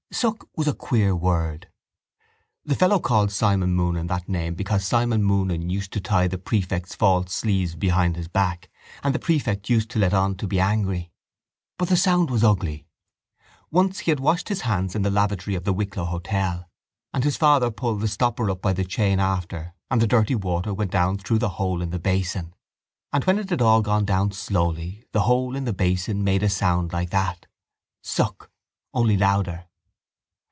Suck was a queer word. The fellow called Simon Moonan that name because Simon Moonan used to tie the prefect's false sleeves behind his back and the prefect used to let on to be angry. But the sound was ugly. Once he had washed his hands in the lavatory of the Wicklow Hotel and his father pulled the stopper up by the chain after and the dirty water went down through the hole in the basin. And when it had all gone down slowly the hole in the basin had made a sound like that: suck. Only louder.